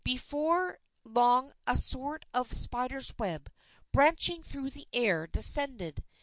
Before long a sort of spider's web, branching through the air, descended.